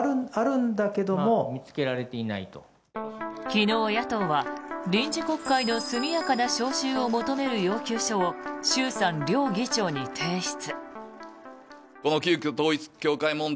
昨日野党は臨時国会の速やかな召集を求める要求書を衆参両議長に提出。